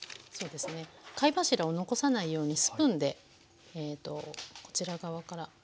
そうですね貝柱を残さないようにスプーンでこちら側から。